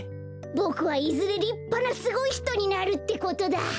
ボクはいずれりっぱなすごいひとになるってことだ！